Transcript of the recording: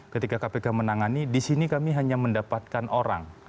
ketika kpk menangani di sini kami hanya mendapatkan orang